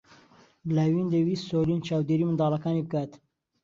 لاوین دەیویست سۆلین چاودێریی منداڵەکانی بکات.